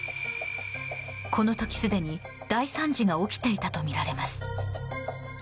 この時すでに、大惨事が起きていたとみられます。